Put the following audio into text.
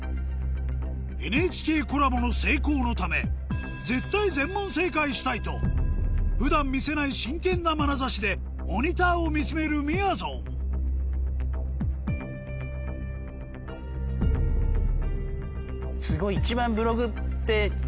ＮＨＫコラボの成功のため絶対全問正解したいと普段見せない真剣なまなざしでモニターを見つめるみやぞんすごい一番。